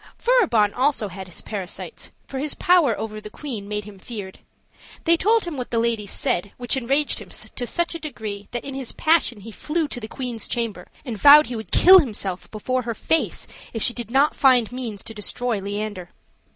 Furibon also had his parasites, for his power over the queen made him feared; they told him what the ladies said, which enraged him to such a degree that in his passion he flew to the queen's chamber, and vowed he would kill himself before her face if she did not find means to destroy Leander.